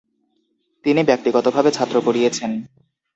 তিনি ব্যক্তিগতভাবে ছাত্র পড়িয়েছেন।